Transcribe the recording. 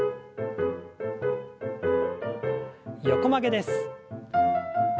横曲げです。